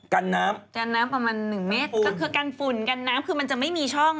กันน้ำประมาณ๑เมตรก็คือกันฝุ่นกันน้ำคือมันจะไม่มีช่อง